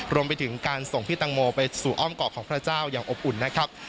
รวมไปถึงการส่งพี่ตังโมไปสู่อ้อมเกาะของพระเจ้าอย่างอบอุ่นนะครับ